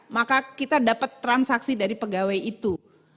maka kita dapat transaksi dari pegawai itu